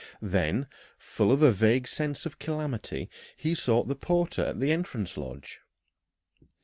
Then, full of a vague sense of calamity, he sought the porter at the entrance lodge.